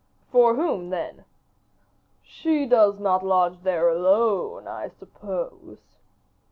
"For whom, then?" "She does not lodge there alone, I suppose?"